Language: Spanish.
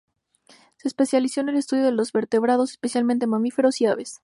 Se especializó en el estudio de los vertebrados, especialmente mamíferos y aves.